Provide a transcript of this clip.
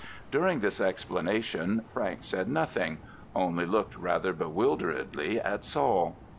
During this explanation Frank said nothing, only looked rather bewilderedly at Saul.